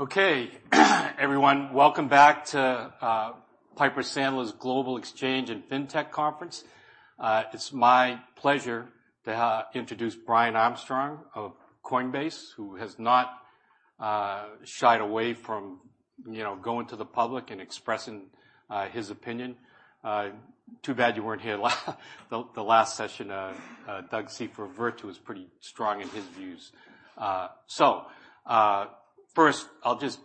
Okay. Everyone, welcome back to Piper Sandler's Global Exchange and Fintech Conference. It's my pleasure to introduce Brian Armstrong of Coinbase, who has not shied away from, you know, going to the public and expressing his opinion. Too bad you weren't here the last session, Doug Cifu, Virtu, was pretty strong in his views. First, I'll just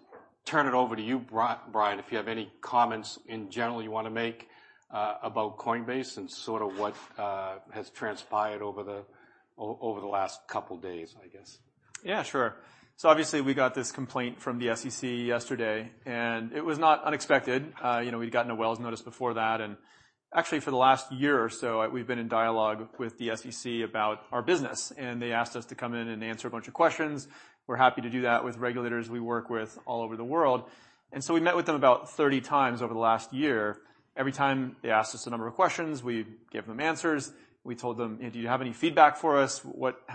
turn it over to you, Brian, if you have any comments in general you want to make about Coinbase and sort of what has transpired over the last couple days, I guess. Yeah, sure. Obviously, we got this complaint from the SEC yesterday, and it was not unexpected. You know, we'd gotten a Wells notice before that, and actually, for the last year or so, we've been in dialogue with the SEC about our business, and they asked us to come in and answer a bunch of questions. We're happy to do that with regulators we work with all over the world. We met with them about 30 times over the last year. Every time they asked us a number of questions, we gave them answers. We told them: "Do you have any feedback for us?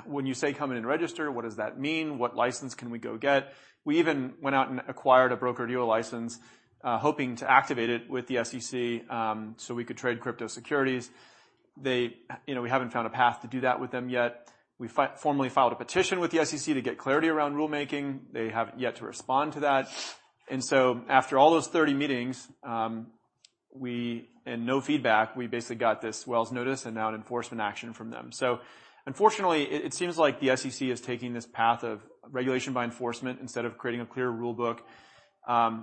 When you say come in and register, what does that mean? What license can we go get?" We even went out and acquired a broker-dealer license, hoping to activate it with the SEC, so we could trade crypto securities. They, you know, we haven't found a path to do that with them yet. We formally filed a petition with the SEC to get clarity around rulemaking. They have yet to respond to that. After all those 30 meetings, and no feedback, we basically got this Wells notice and now an enforcement action from them. Unfortunately, it seems like the SEC is taking this path of regulation by enforcement instead of creating a clear rule book.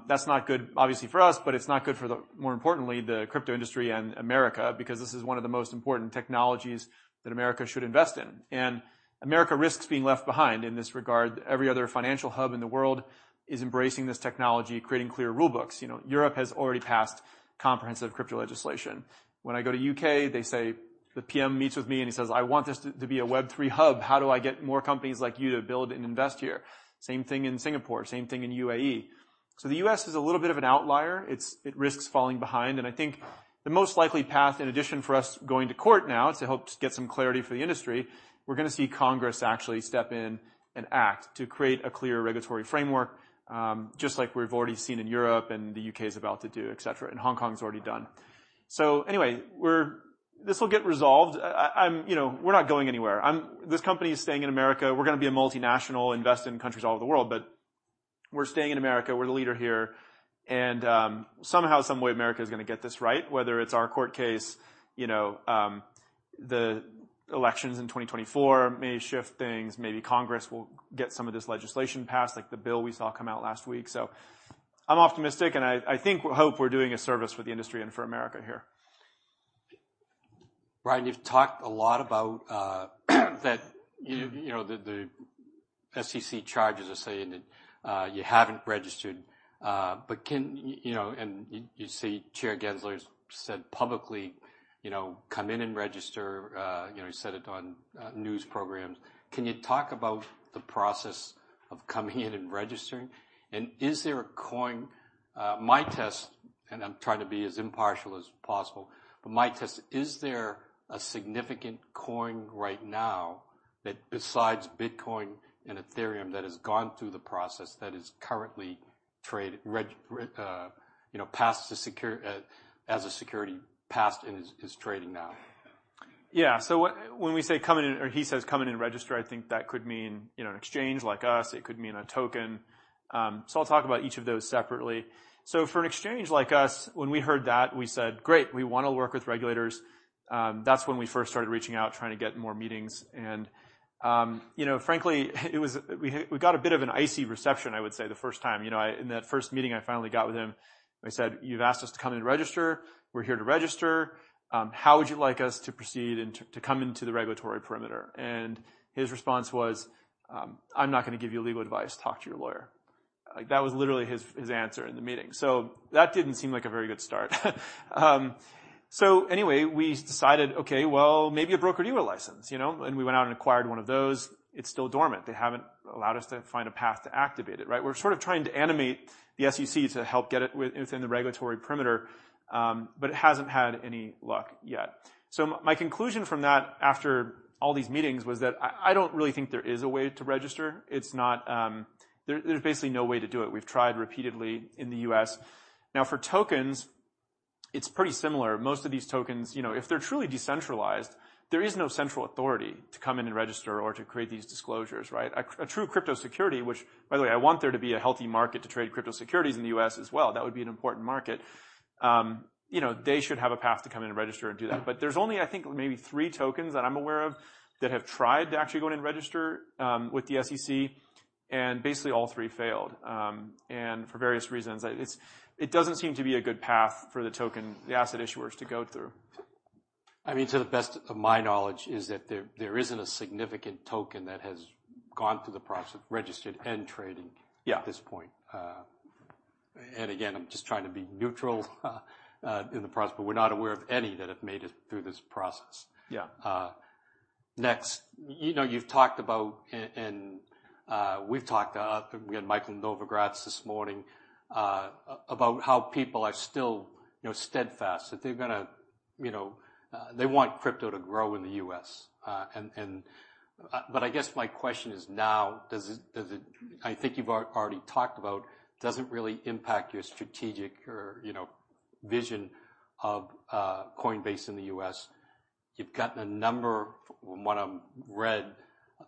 That's not good, obviously, for us, but it's not good for the, more importantly, the crypto industry and America, because this is one of the most important technologies that America should invest in. America risks being left behind in this regard. Every other financial hub in the world is embracing this technology, creating clear rulebooks. You know, Europe has already passed comprehensive crypto legislation. When I go to U.K., they say, the PM meets with me and he says: "I want this to be a Web3 hub. How do I get more companies like you to build and invest here?" Same thing in Singapore, same thing in UAE. The U.S. is a little bit of an outlier. It risks falling behind, and I think the most likely path, in addition for us going to court now, to help get some clarity for the industry, we're going to see Congress actually step in and act to create a clear regulatory framework, just like we've already seen in Europe and the U.K. is about to do, et cetera, and Hong Kong's already done. Anyway, this will get resolved. I'm, you know, we're not going anywhere. This company is staying in America. We're going to be a multinational, invest in countries all over the world, but we're staying in America. We're the leader here, and somehow, some way, America is going to get this right, whether it's our court case, you know, the elections in 2024 may shift things. Maybe Congress will get some of this legislation passed, like the bill we saw come out last week. I'm optimistic, and I think, hope we're doing a service for the industry and for America here. Brian, you've talked a lot about that, you the SEC charges are saying that you haven't registered. You see Chair Gensler's said publicly, "Come in and register." He said it on news program. Can you talk about the process of coming in and registering? Is there a coin? My test, and I'm trying to be as impartial as possible, but my test, is there a significant coin right now that besides Bitcoin and Ethereum, that has gone through the process, that is currently trade, passed to secure, as a security passed and is trading now? What, when we say come in or he says, "Come in and register," I think that could mean, you know, an exchange like us, it could mean a token. I'll talk about each of those separately. For an exchange like us, when we heard that, we said: Great, we want to work with regulators. That's when we first started reaching out, trying to get more meetings. You know, frankly, we got a bit of an icy reception, I would say, the first time. You know, in that first meeting, I finally got with him. I said: "You've asked us to come in and register. We're here to register. How would you like us to proceed and to come into the regulatory perimeter?" His response was: "I'm not going to give you legal advice. Talk to your lawyer." Like, that was literally his answer in the meeting. Anyway, we decided, okay, well, maybe a broker-dealer license, you know, and we went out and acquired one of those. It's still dormant. They haven't allowed us to find a path to activate it, right? We're sort of trying to animate the SEC to help get it within the regulatory perimeter, it hasn't had any luck yet. My conclusion from that, after all these meetings, was that I don't really think there is a way to register. It's not. There's basically no way to do it. We've tried repeatedly in the U.S. For tokens, it's pretty similar. Most of these tokens, you know, if they're truly decentralized, there is no central authority to come in and register or to create these disclosures, right? A true crypto security, which, by the way, I want there to be a healthy market to trade crypto securities in the U.S. as well. That would be an important market. You know, they should have a path to come in and register and do that. There's only, I think, maybe three tokens that I'm aware of that have tried to actually go in and register with the SEC, and basically all three failed, and for various reasons. It doesn't seem to be a good path for the token, the asset issuers to go through. I mean, to the best of my knowledge, is that there isn't a significant token that has gone through the process, registered and trading... Yeah... at this point. Again, I'm just trying to be neutral, in the process, but we're not aware of any that have made it through this process. Yeah. Next, you know, you've talked about and we've talked again, Michael Novogratz this morning, about how people are still, you know, steadfast, that they want crypto to grow in the U.S. I guess my question is now, I think you've already talked about, doesn't really impact your strategic or, you know, vision of Coinbase in the U.S. You've gotten a number, from what I've read,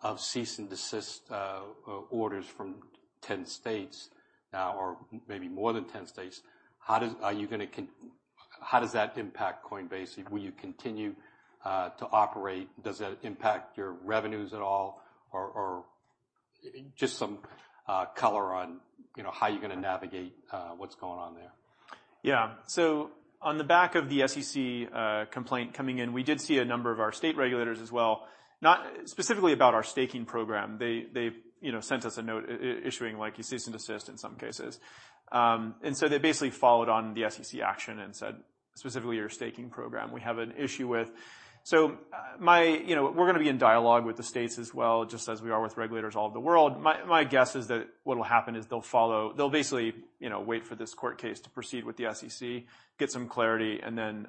of cease and desist orders from 10 states now or maybe more than 10 states. How does that impact Coinbase? Will you continue to operate? Does that impact your revenues at all, or just some color on, you know, how you're gonna navigate what's going on there? Yeah. On the back of the SEC complaint coming in, we did see a number of our state regulators as well, not specifically about our staking program. They, you know, sent us a note issuing a cease and desist in some cases. They basically followed on the SEC action and said, "Specifically, your staking program we have an issue with." You know, we're gonna be in dialogue with the states as well, just as we are with regulators all over the world. My guess is that what'll happen is they'll basically, you know, wait for this court case to proceed with the SEC, get some clarity, and then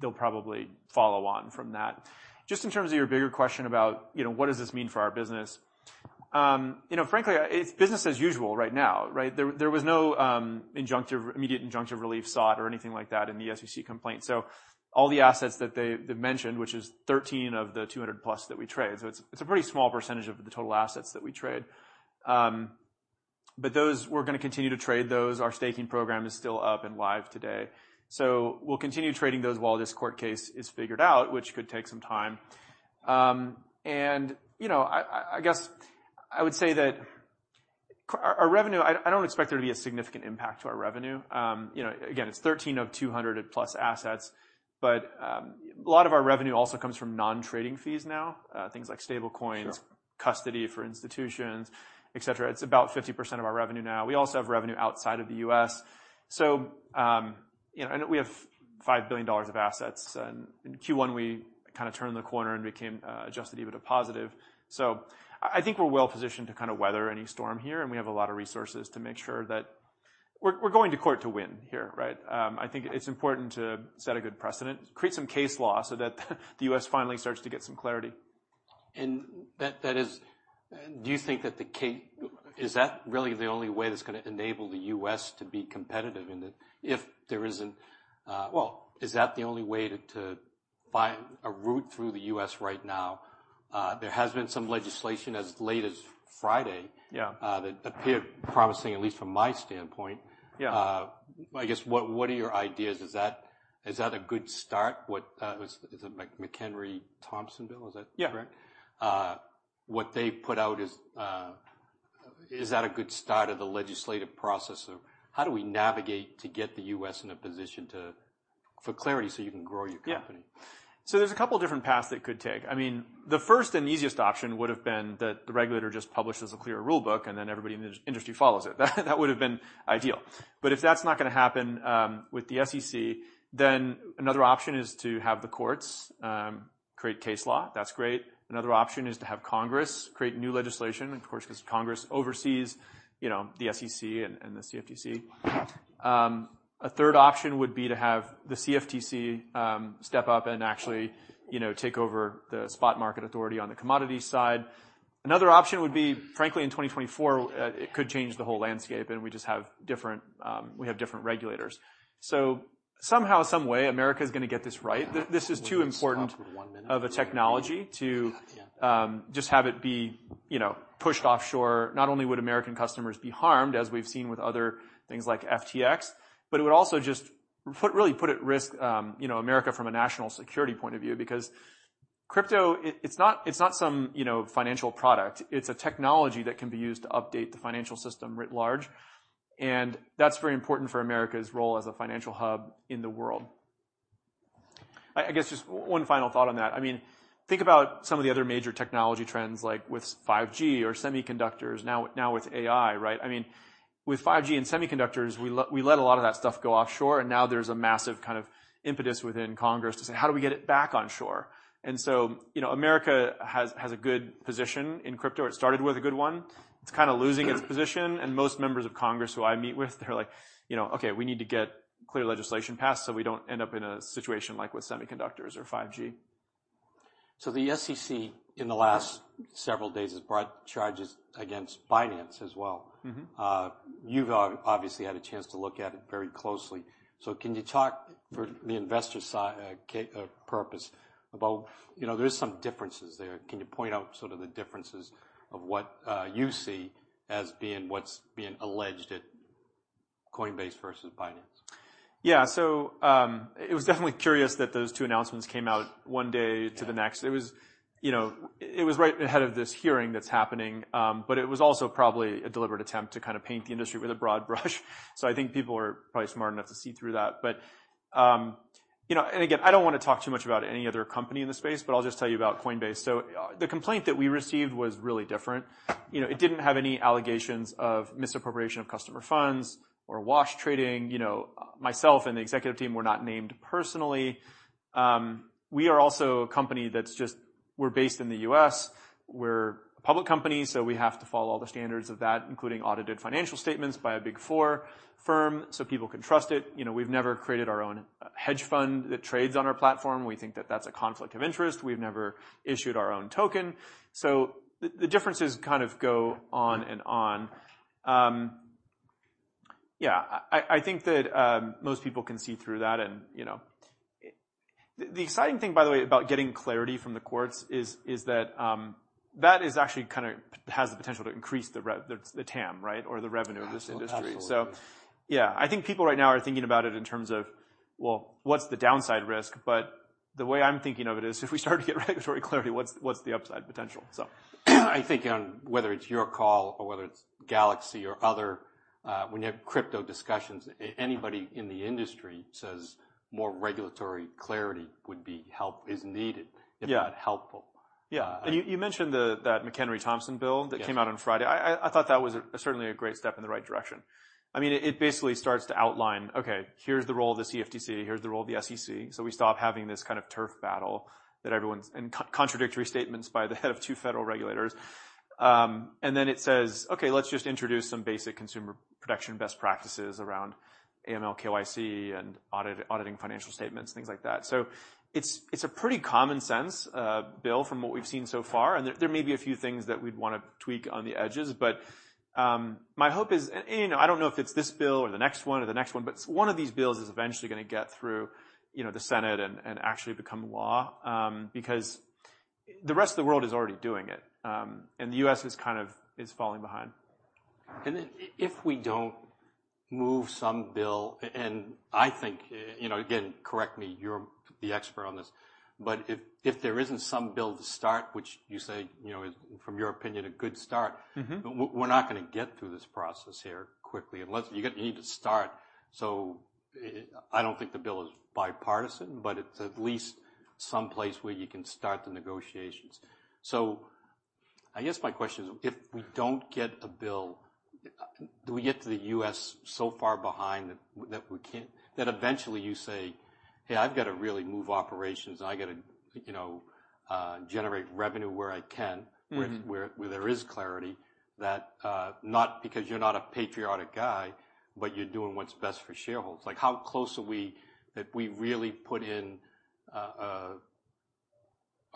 they'll probably follow on from that. Just in terms of your bigger question about, you know, what does this mean for our business? You know, frankly, it's business as usual right now, right? There was no injunctive, immediate injunctive relief sought or anything like that in the SEC complaint. All the assets that they mentioned, which is 13 of the 200+ that we trade. It's a pretty small percentage of the total assets that we trade. Those, we're gonna continue to trade those. Our staking program is still up and live today. We'll continue trading those while this court case is figured out, which could take some time. You know, I guess I would say that our revenue, I don't expect there to be a significant impact to our revenue. you know, again, it's 13 of 200 plus assets, but a lot of our revenue also comes from non-trading fees now, things like stablecoins... Sure. custody for institutions, et cetera. It's about 50% of our revenue now. We also have revenue outside of the U.S. You know, and we have $5 billion of assets, and in Q1, we kind of turned the corner and became adjusted EBITDA positive. I think we're well positioned to kind of weather any storm here, and we have a lot of resources to make sure that. We're going to court to win here, right? I think it's important to set a good precedent, create some case law so that the U.S. finally starts to get some clarity. Is that really the only way that's gonna enable the U.S. to be competitive in it? If there isn't, well, is that the only way to find a route through the U.S. right now? There has been some legislation as late as Friday... Yeah. that appeared promising, at least from my standpoint. Yeah. I guess, what are your ideas? Is that a good start? What was it the McHenry-Thompson bill, is that correct? Yeah. What they put out is that a good start of the legislative process of how do we navigate to get the U.S. in a position to, for clarity so you can grow your company? There's a couple different paths they could take. I mean, the first and easiest option would have been that the regulator just publishes a clear rule book, and then everybody in the industry follows it. That would have been ideal. If that's not gonna happen, with the SEC, then another option is to have the courts create case law. That's great. Another option is to have Congress create new legislation, of course, because Congress oversees, you know, the SEC and the CFTC. A third option would be to have the CFTC step up and actually, you know, take over the spot market authority on the commodities side. Another option would be, frankly, in 2024, it could change the whole landscape, and we just have different, we have different regulators. Somehow, some way, America is gonna get this right. Yeah. This is too important... One minute. of a technology to, you know, pushed offshore. Not only would American customers be harmed, as we've seen with other things like FTX, but it would also really put at risk, you know, America from a national security point of view. Because crypto, it's not some, you know, financial product. It's a technology that can be used to update the financial system writ large, and that's very important for America's role as a financial hub in the world. I guess just one final thought on that. I mean, think about some of the other major technology trends, like with 5G or semiconductors, now with AI, right? I mean, with 5G and semiconductors, we let a lot of that stuff go offshore. Now there's a massive kind of impetus within Congress to say: How do we get it back onshore? You know, America has a good position in crypto. It started with a good one. It's kind of losing its position. Most members of Congress who I meet with, they're like, "You know, okay, we need to get clear legislation passed so we don't end up in a situation like with semiconductors or 5G. The SEC, in the last several days, has brought charges against Binance as well. Mm-hmm. You've obviously had a chance to look at it very closely. Can you talk for the investor purpose about. You know, there are some differences there. Can you point out sort of the differences of what you see as being what's being alleged at Coinbase versus Binance? Yeah. It was definitely curious that those two announcements came out one day to the next. Yeah. It was, you know, it was right ahead of this hearing that's happening, but it was also probably a deliberate attempt to kind of paint the industry with a broad brush. I think people are probably smart enough to see through that. You know, and again, I don't want to talk too much about any other company in the space, but I'll just tell you about Coinbase. The complaint that we received was really different. You know, it didn't have any allegations of misappropriation of customer funds or wash trading. You know, myself and the executive team were not named personally. We are also a company that we're based in the U.S. We're a public company, so we have to follow all the standards of that, including audited financial statements by a Big 4 firm, so people can trust it. You know, we've never created our own hedge fund that trades on our platform. We think that that's a conflict of interest. We've never issued our own token. The, the differences kind of go on and on. Yeah, I think that most people can see through that and, you know. The, the exciting thing, by the way, about getting clarity from the courts is that is actually kind of has the potential to increase the TAM, right? Or the revenue of this industry. Absolutely. Yeah, I think people right now are thinking about it in terms of, well, what's the downside risk? The way I'm thinking of it is, if we start to get regulatory clarity, what's the upside potential? I think on whether it's your call or whether it's Galaxy or other, when you have crypto discussions, anybody in the industry says more regulatory clarity is needed... Yeah. if not helpful. Yeah. You mentioned that McHenry-Thompson bill. Yes. That came out on Friday. I thought that was a, certainly a great step in the right direction. I mean, it basically starts to outline, okay, here's the role of the CFTC, here's the role of the SEC. We stop having this kind of turf battle that everyone's contradictory statements by the head of two federal regulators. Then it says, "Okay, let's just introduce some basic consumer protection best practices around AML, KYC, and auditing financial statements, things like that." It's, it's a pretty common sense bill, from what we've seen so far, and there may be a few things that we'd want to tweak on the edges, but my hope is... You know, I don't know if it's this bill or the next one or the next one of these bills is eventually gonna get through, you know, the Senate and actually become law. The rest of the world is already doing it, and the U.S. is falling behind. If we don't move some bill. I think, you know, again, correct me, you're the expert on this, but if there isn't some bill to start, which you say, you know, is from your opinion, a good start. Mm-hmm. We're not gonna get through this process here quickly. You need to start. I don't think the bill is bipartisan, but it's at least some place where you can start the negotiations. I guess my question is, if we don't get a bill, do we get to the U.S. so far behind that eventually you say, "Hey, I've got to really move operations, and I got to, you know, generate revenue where I can. Mm-hmm Where there is clarity?" That, not because you're not a patriotic guy, but you're doing what's best for shareholders. Like, how close are we that we really put in a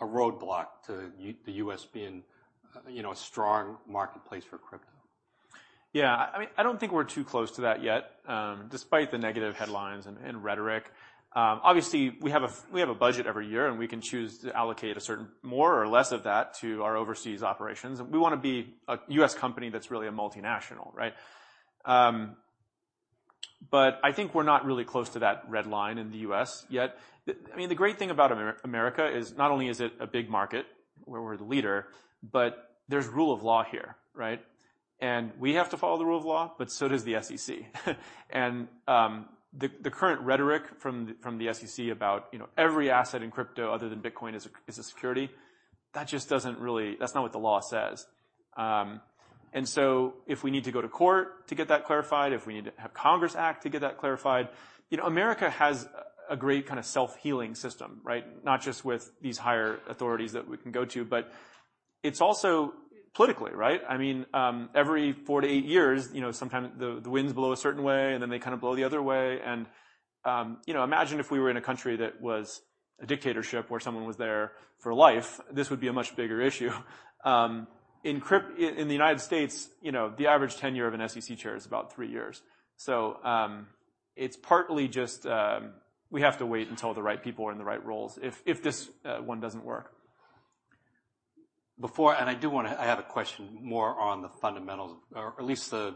roadblock to the U.S. being, you know, a strong marketplace for crypto? Yeah. I mean, I don't think we're too close to that yet, despite the negative headlines and rhetoric. Obviously, we have a budget every year, and we can choose to allocate a certain more or less of that to our overseas operations. We wanna be a U.S. company that's really a multinational, right? I think we're not really close to that red line in the U.S. yet. I mean, the great thing about America is not only is it a big market where we're the leader, but there's rule of law here, right? We have to follow the rule of law, but so does the SEC. The current rhetoric from the SEC about, you know, every asset in crypto other than Bitcoin is a security, that's not what the law says. If we need to go to court to get that clarified, if we need to have Congress act to get that clarified, you know, America has a great kind of self-healing system, right? Not just with these higher authorities that we can go to, but it's also politically, right? I mean, every four to eight years, you know, sometimes the winds blow a certain way, and then they kind of blow the other way. You know, imagine if we were in a country that was a dictatorship, where someone was there for life, this would be a much bigger issue. In the United States, you know, the average tenure of an SEC chair is about three years. It's partly just, we have to wait until the right people are in the right roles if this, one doesn't work. I have a question more on the fundamentals or at least the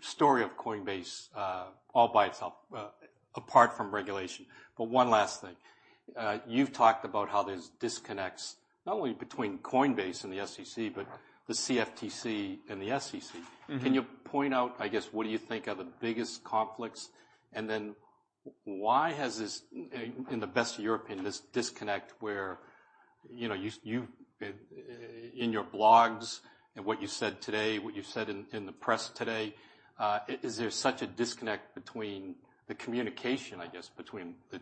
story of Coinbase all by itself apart from regulation. One last thing. You've talked about how there's disconnects, not only between Coinbase and the SEC. Yeah But the CFTC and the SEC. Mm-hmm. Can you point out, I guess, what do you think are the biggest conflicts? Then why has this, in the best of your opinion, this disconnect where, you know, you've in your blogs and what you said today, what you've said in the press today, is there such a disconnect between the communication, I guess, between the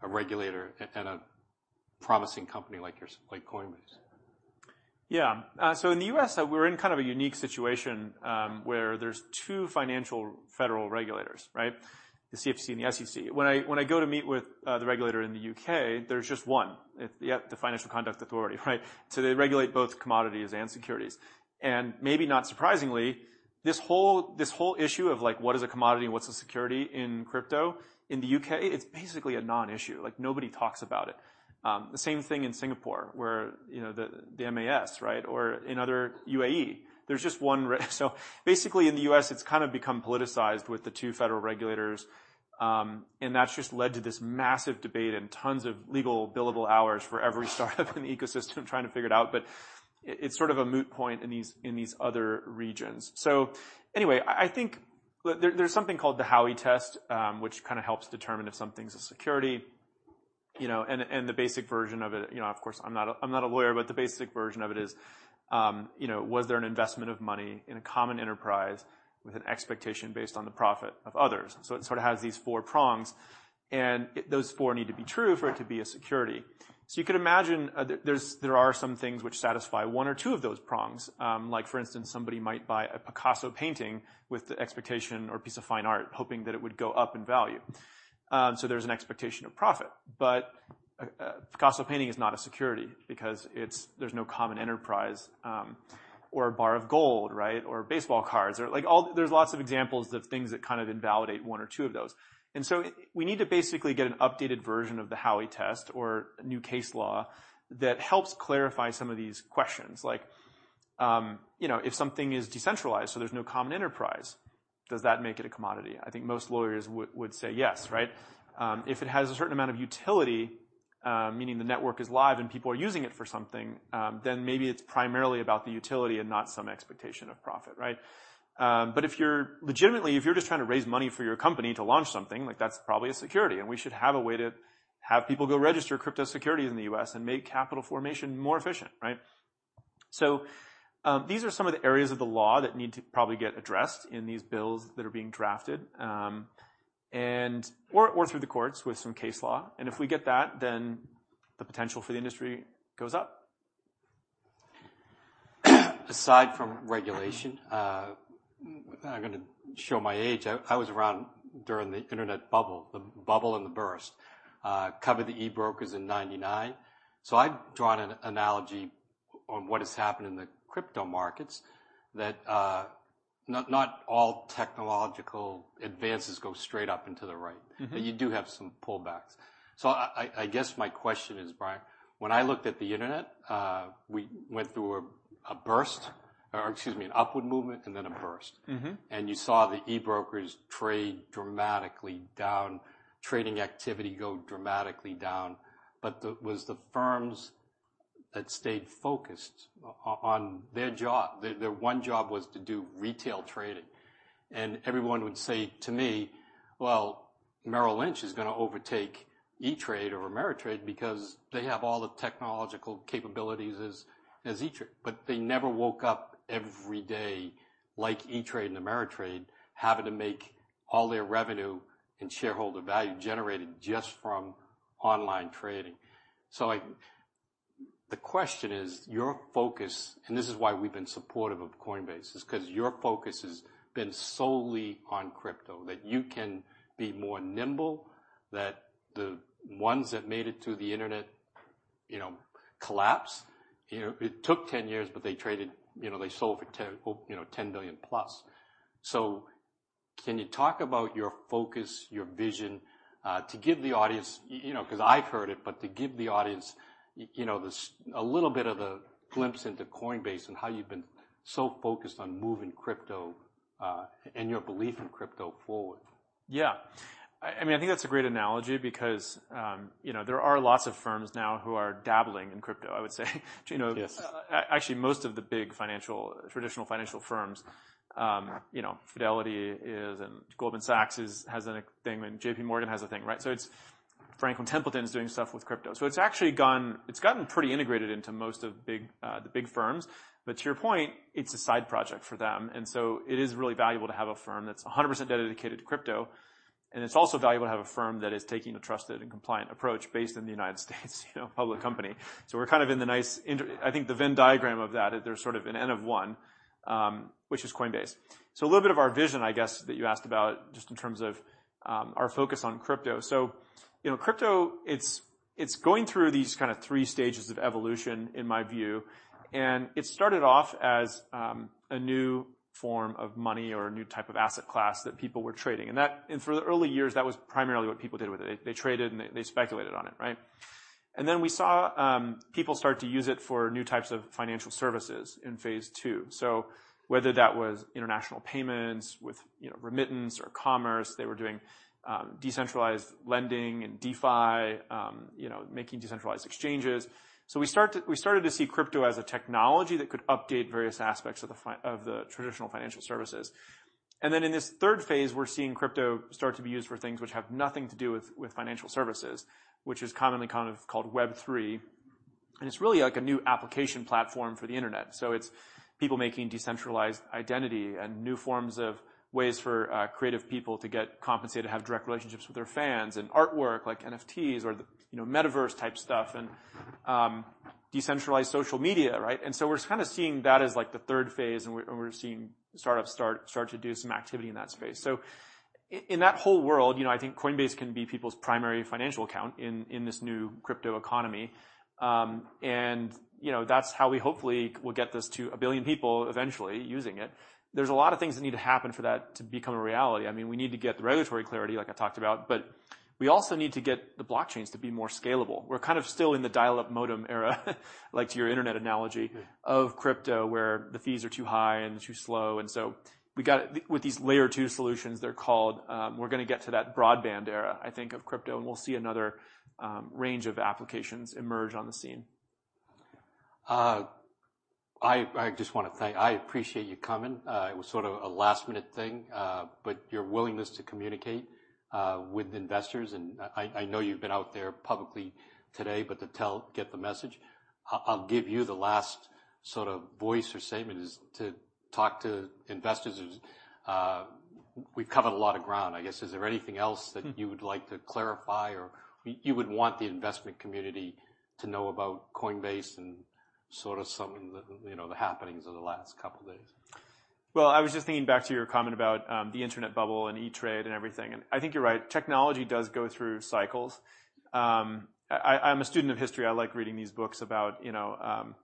a regulator and a promising company like yours, like Coinbase? Yeah. In the U.S., we're in kind of a unique situation, where there's two financial federal regulators, right? The CFTC and the SEC. When I go to meet with the regulator in the U.K., there's just one, it's the Financial Conduct Authority, right? They regulate both commodities and securities. Maybe not surprisingly, this whole issue of like, what is a commodity and what's a security in crypto, in the U.K., it's basically a non-issue. Like, nobody talks about it. The same thing in Singapore, where, you know, the MAS, right, or in other U.A.E. There's just one so basically, in the U.S., it's kind of become politicized with the two federal regulators, and that's just led to this massive debate and tons of legal billable hours for every startup in the ecosystem trying to figure it out. But it's sort of a moot point in these, in these other regions. Anyway, I think there's something called the Howey Test, which kind of helps determine if something's a security, you know, and the basic version of it. You know, of course, I'm not a lawyer, but the basic version of it is, you know, was there an investment of money in a common enterprise with an expectation based on the profit of others? It sort of has these four prongs, and those four need to be true for it to be a security. You can imagine, there's, there are some things which satisfy one or two of those prongs. Like, for instance, somebody might buy a Picasso painting with the expectation or piece of fine art, hoping that it would go up in value. There's an expectation of profit. A Picasso painting is not a security because there's no common enterprise, or a bar of gold, right? Or baseball cards or like all, there's lots of examples of things that kind of invalidate one or two of those. We need to basically get an updated version of the Howey Test or new case law that helps clarify some of these questions. Like, you know, if something is decentralized, so there's no common enterprise, does that make it a commodity? I think most lawyers would say yes, right? If it has a certain amount of utility, meaning the network is live and people are using it for something, then maybe it's primarily about the utility and not some expectation of profit, right? Legitimately, if you're just trying to raise money for your company to launch something, like, that's probably a security, and we should have a way to have people go register crypto securities in the U.S. and make capital formation more efficient, right? These are some of the areas of the law that need to probably get addressed in these bills that are being drafted, or through the courts with some case law. If we get that, then the potential for the industry goes up. Aside from regulation, I'm gonna show my age. I was around during the internet bubble, the bubble and the burst. Covered the e-brokers in 99. I've drawn an analogy on what has happened in the crypto markets that not all technological advances go straight up and to the right. Mm-hmm. You do have some pullbacks. I guess my question is, Brian, when I looked at the internet, we went through a burst or, excuse me, an upward movement and then a burst. Mm-hmm. You saw the e-brokers trade dramatically down, trading activity go dramatically down. It was the firms that stayed focused on their job. Their one job was to do retail trading. Everyone would say to me, "Well, Merrill Lynch is gonna overtake E*TRADE or Ameritrade because they have all the technological capabilities as E*TRADE." They never woke up every day like E*TRADE and Ameritrade, having to make all their revenue and shareholder value generated just from online trading. Like, the question is, your focus, and this is why we've been supportive of Coinbase, is 'cause your focus has been solely on crypto, that you can be more nimble, that the ones that made it to the internet, you know, collapsed. You know, it took 10 years, but they sold for $10 billion plus. Can you talk about your focus, your vision, to give the audience, you know, 'cause I've heard it, but to give the audience, you know, this a little bit of a glimpse into Coinbase and how you've been so focused on moving crypto and your belief in crypto forward? Yeah. I mean, I think that's a great analogy because, you know, there are lots of firms now who are dabbling in crypto, I would say. Yes. Actually, most of the big financial, traditional financial firms, you know, Fidelity is, and Goldman Sachs has a thing, and JPMorgan has a thing, right? It's Franklin Templeton is doing stuff with crypto. It's actually gotten pretty integrated into most of big, the big firms. To your point, it's a side project for them. It is really valuable to have a firm that's 100% dedicated to crypto, and it's also valuable to have a firm that is taking a trusted and compliant approach based in the United States, you know, public company. We're kind of in the nice I think the Venn diagram of that, there's sort of an N of 1, which is Coinbase. A little bit of our vision, I guess, that you asked about, just in terms of our focus on crypto. You know, crypto, it's going through these kind of three stages of evolution, in my view, and it started off as a new form of money or a new type of asset class that people were trading. For the early years, that was primarily what people did with it. They traded, and they speculated on it, right? Then we saw people start to use it for new types of financial services in phase two. Whether that was international payments with, you know, remittance or commerce, they were doing decentralized lending and DeFi, you know, making decentralized exchanges. We started to see crypto as a technology that could update various aspects of the traditional financial services. In this third phase, we're seeing crypto start to be used for things which have nothing to do with financial services, which is commonly kind of called Web3. It's really like a new application platform for the internet. It's people making decentralized identity and new forms of ways for creative people to get compensated, to have direct relationships with their fans and artwork, like NFTs or, you know, metaverse-type stuff and decentralized social media, right? We're kind of seeing that as like the third phase, and we're seeing startups start to do some activity in that space. In that whole world, you know, I think Coinbase can be people's primary financial account in this new crypto economy. You know, that's how we hopefully will get this to a billion people eventually using it. There's a lot of things that need to happen for that to become a reality. I mean, we need to get the regulatory clarity, like I talked about, but we also need to get the blockchains to be more scalable. We're kind of still in the dial-up modem era, like to your internet analogy... Yeah of crypto, where the fees are too high and too slow, with these layer two solutions, they're called, we're gonna get to that broadband era, I think, of crypto, and we'll see another range of applications emerge on the scene. I appreciate you coming. It was sort of a last-minute thing, but your willingness to communicate with investors, and I know you've been out there publicly today, but to get the message. I'll give you the last sort of voice or statement is to talk to investors. We've covered a lot of ground, I guess. Is there anything else... Mm-hmm. that you would like to clarify or you would want the investment community to know about Coinbase and sort of some of the, you know, the happenings of the last couple of days? I was just thinking back to your comment about the internet bubble and E*TRADE and everything, and I think you're right. Technology does go through cycles. I'm a student of history. I like reading these books about, you know,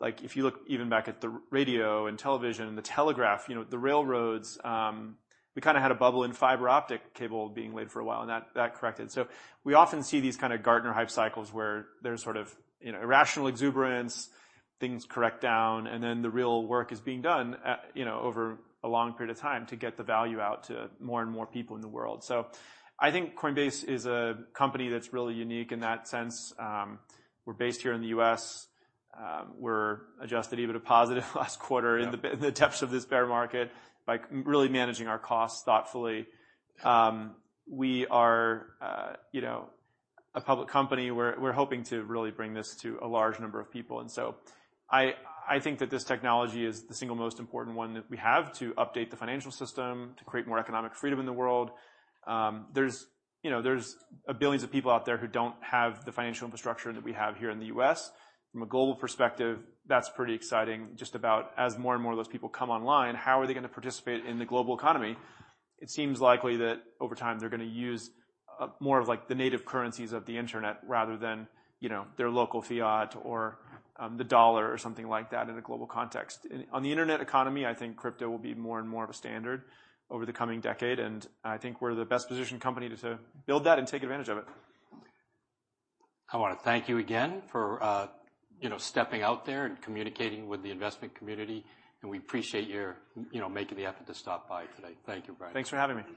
like, if you look even back at the radio and television and the telegraph, you know, the railroads, we kind of had a bubble in fiber optic cable being laid for a while, and that corrected. We often see these kind of Gartner hype cycles, where there's sort of, you know, irrational exuberance, things correct down, and then the real work is being done at, you know, over a long period of time to get the value out to more and more people in the world. I think Coinbase is a company that's really unique in that sense. We're based here in the U.S. We're adjusted EBITDA positive last quarter... Yeah ...in the depths of this bear market by really managing our costs thoughtfully. We are, you know, a public company. We're hoping to really bring this to a large number of people. I think that this technology is the single most important one that we have to update the financial system, to create more economic freedom in the world. There's, you know, there's billions of people out there who don't have the financial infrastructure that we have here in the U.S. From a global perspective, that's pretty exciting. Just about as more and more of those people come online, how are they gonna participate in the global economy? It seems likely that over time, they're gonna use more of like the native currencies of the internet rather than, you know, their local fiat or the dollar or something like that in a global context. On the internet economy, I think crypto will be more and more of a standard over the coming decade, and I think we're the best-positioned company to build that and take advantage of it. I wanna thank you again for, you know, stepping out there and communicating with the investment community. We appreciate your, you know, making the effort to stop by today. Thank you, Brian. Thanks for having me.